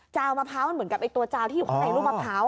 วมะพร้าวมันเหมือนกับไอ้ตัวจาวที่อยู่ข้างในลูกมะพร้าว